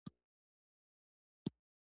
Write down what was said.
د یو بل درناوی کول په کار دي